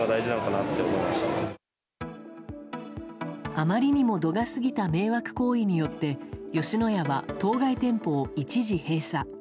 あまりにも度が過ぎた迷惑行為によって吉野家は当該店舗を一時閉鎖。